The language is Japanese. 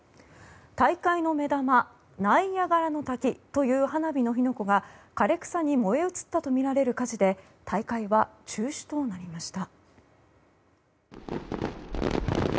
大会の目玉、ナイアガラの滝という花火の火の粉が枯れ草に燃え移ったとみられる火事で大会は中止となりました。